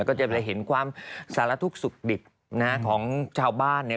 ก็จะเป็นเห็นความสารธุสุขดิบของชาวบ้านเนี่ย